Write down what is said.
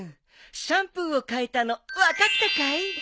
シャンプーを変えたの分かったかい？